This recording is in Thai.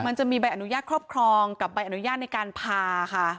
มันจะมีใบอนุญาตครอบครองกับใบอนุญาตในการพาค่ะ